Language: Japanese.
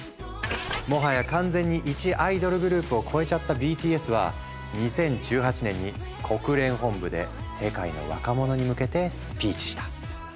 もはや完全にいちアイドルグループを超えちゃったＢＴＳは２０１８年に国連本部で世界の若者に向けてスピーチした。